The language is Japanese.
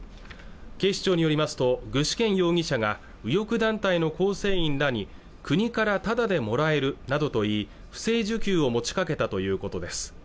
警視庁によりますと具志堅容疑者が右翼団体の構成員らに国からただでもらえるなどといい不正受給を持ちかけたということです